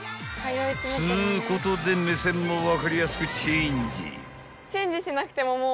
［つうことで目線も分かりやすくチェンジ］